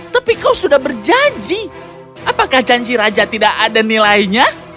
tapi kau sudah berjanji apakah janji raja tidak ada nilainya